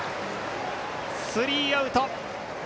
スリーアウト。